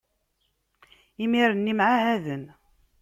imir-nni mɛahaden.